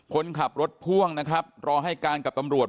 คนขับรถพ่วงนะครับรอให้การกับตำรวจ